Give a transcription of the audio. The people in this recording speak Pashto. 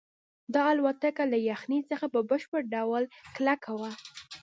دا الوتکه له یخنۍ څخه په بشپړ ډول کلکه وه